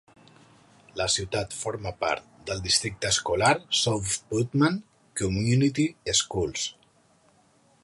La ciutat forma part del districte escolar South Putnam Community Schools.